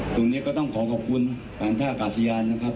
ตรงนี้ก็ต้องขอขอบคุณการท่าอากาศยานนะครับ